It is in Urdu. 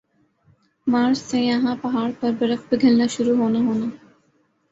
مارچ سے یَہاں پہاڑ پر سے برف پگھلنا شروع ہونا ہونا